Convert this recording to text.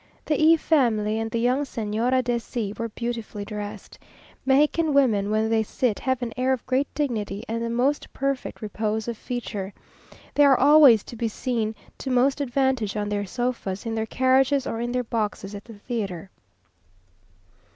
The E family, and the young Señora de C , were beautifully dressed. Mexican women, when they sit, have an air of great dignity, and the most perfect repose of feature. They are always to be seen to most advantage on their sofas, in their carriages, or in their boxes at the theatre.